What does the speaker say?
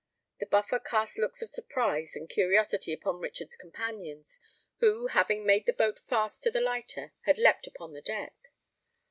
The Buffer cast looks of surprise and curiosity upon Richard's companions, who, having made the boat fast to the lighter, had leapt upon the deck.